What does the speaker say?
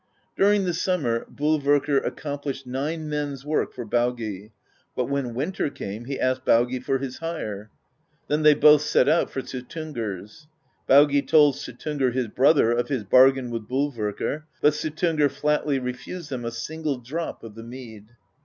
During the summer Bolverkr accomplished nine men's work for Baugi, but when winter came he asked Baugi for his hire. Then they both set out for Suttungr's. Baugi told Suttungr his brother of his bargain with Bolverkr; but Suttungr flatly refused them a single drop of the mead.